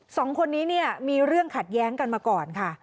สองคนนี้เนี่ยมีเรื่องขัดแย้งกันมาก่อนค่ะ